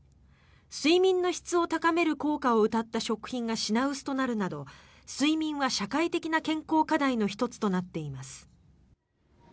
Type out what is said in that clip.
睡眠の質を高める効果をうたった食品が品薄となるなど睡眠は社会的な健康課題の１つとなっています。